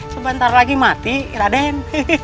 sebentar lagi mati raden